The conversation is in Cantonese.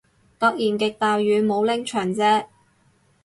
突然極大雨，冇拎長遮